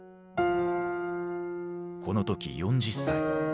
この時４０歳。